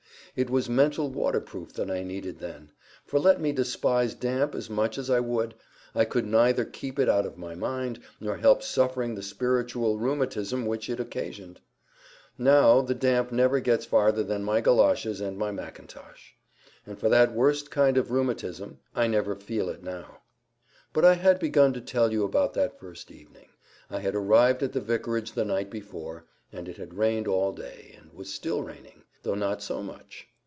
it was mental waterproof that I needed then; for let me despise damp as much as I would, I could neither keep it out of my mind, nor help suffering the spiritual rheumatism which it occasioned. Now, the damp never gets farther than my goloshes and my Macintosh. And for that worst kind of rheumatism—I never feel it now. But I had begun to tell you about that first evening.—I had arrived at the vicarage the night before, and it had rained all day, and was still raining, though not so much.